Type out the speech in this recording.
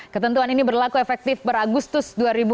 ketentuan ini berlaku efektif beragustus dua ribu enam belas